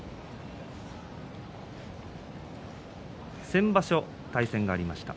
先場所、対戦がありました。